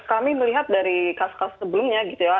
kami melihat dari kasus kasus sebelumnya gitu ya